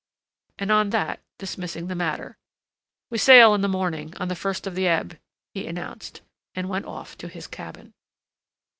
And on that, dismissing the matter: "We sail in the morning, on the first of the ebb," he announced, and went off to his cabin.